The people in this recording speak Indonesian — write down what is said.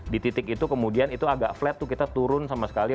di titik itu kemudian itu agak flat tuh kita turun sama sekali